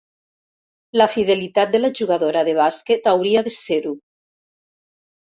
La fidelitat de la jugadora de bàsquet hauria de ser-ho.